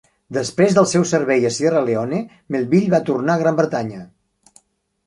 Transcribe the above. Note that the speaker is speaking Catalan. Després del seu servei a Sierra Leone, Melville va tornar a Gran Bretanya.